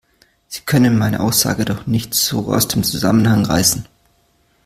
Sie können meine Aussage doch nicht so aus dem Zusammenhang reißen!